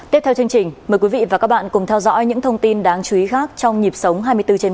tiếp theo chương trình mời quý vị và các bạn cùng theo dõi những thông tin đáng chú ý khác trong nhịp sống hai mươi bốn trên bảy